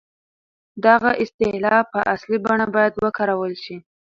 دغه اصطلاح په اصلي بڼه بايد وکارول شي.